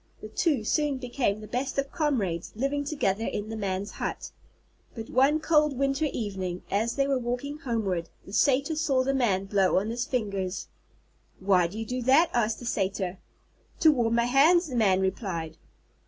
The two soon became the best of comrades, living together in the Man's hut. But one cold winter evening, as they were walking homeward, the Satyr saw the Man blow on his fingers. "Why do you do that?" asked the Satyr. "To warm my hands," the Man replied.